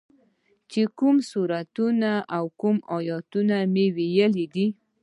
چې کوم سورتونه او کوم ايتونه مې ويلي دي.